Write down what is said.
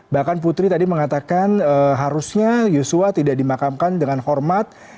bahkan putri tadi mengatakan harusnya yosua tidak dimakamkan dengan hormat